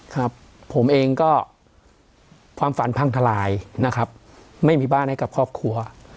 ครับผมเองก็ความฝันพังทลายนะครับไม่มีบ้านให้กับครอบครัว